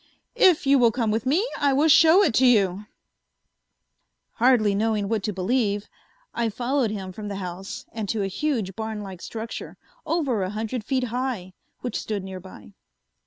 "If you will come with me, I will show it to you." Hardly knowing what to believe, I followed him from the house and to a huge barnlike structure, over a hundred feet high, which stood nearby.